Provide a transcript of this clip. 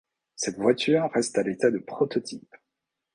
Cette voiture reste à l'état de prototype.